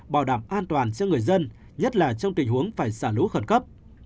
bảo đảm an toàn cho người dân nhất là trong tình huống phải xả lũ khẩn cấp